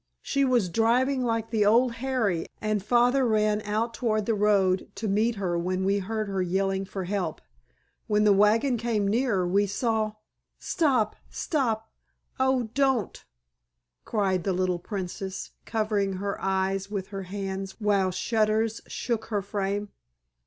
She was driving like the old Harry, and Father ran out toward the road to meet her when we heard her yelling for help. When the wagon came nearer we saw——" "Stop, stop, oh don't!" cried the little Princess, covering her eyes with her hands while shudders shook her frame.